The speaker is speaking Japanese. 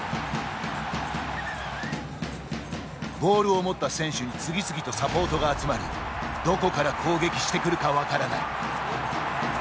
ボールを持った選手に次々とサポートが集まりどこから攻撃してくるか分からない。